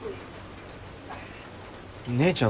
姉ちゃん